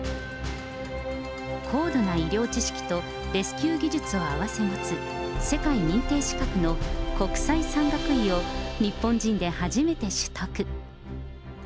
高度な医療知識とレスキュー技術を併せ持つ、世界認定資格の国際山岳医を日本人で初めて取得。